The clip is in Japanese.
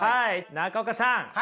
中岡さん